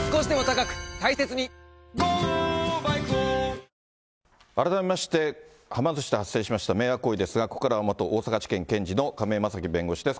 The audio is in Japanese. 木村拓哉さんが、改めまして、はま寿司で発生しました迷惑行為ですが、ここからは元大阪地検検事の亀井正貴弁護士です。